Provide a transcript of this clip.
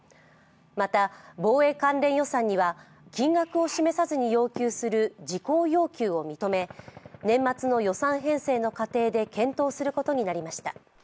また防衛関連予算には金額を示さずに要求する事項要求を認め、年末の予算編成の過程で検討することになりました。